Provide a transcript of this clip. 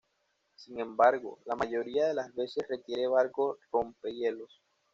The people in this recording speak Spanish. Sin embargo, la mayoría de las veces requiere barcos rompehielos.